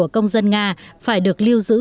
công dân nga phải được lưu giữ